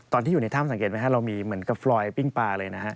ตอนที่อยู่ในถ้ำสังเกตไหมครับเรามีเหมือนกับฟลอยปิ้งปลาเลยนะฮะ